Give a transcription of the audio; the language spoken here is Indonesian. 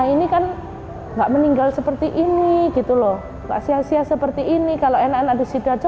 ini kan enggak meninggal seperti ini gitu loh tak sia sia seperti ini kalau enak enak di situ aja